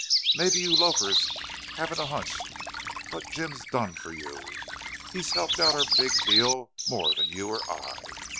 Maybe you loafers haven't a hunch what Jim's done for you. He's helped our big deal more than you or I.